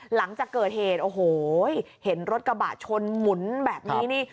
หลังจากเกิดเหตุโอ้โหเห็นรถกระบะชนหมุนแบบนี้นี่